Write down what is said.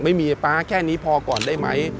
ไม่มีป๊าแค่นี้พอก่อนได้ไหม